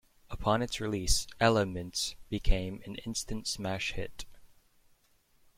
Upon its release, "Elle'ments" became an instant smash hit.